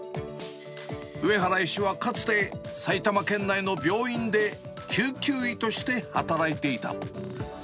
上原医師はかつて、埼玉県内の病院で救急医として働いていた。